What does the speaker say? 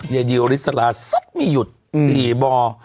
เยดิวฤทธิ์ศราสุดไม่หยุดสี่บอร์